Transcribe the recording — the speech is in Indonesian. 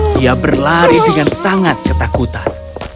dia berlari dengan sangat ketakutan